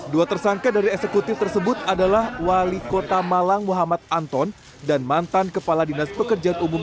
dua tersangka dari eksekutif tersebut adalah wali kota malang muhammad anton dan mantan kepala dinas pekerjaan umum